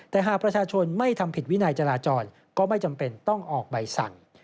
แต่หากประชาชนไม่ทำผิดวินัยจราจรก็ไม่จำเป็นต้องออกใบสั่ง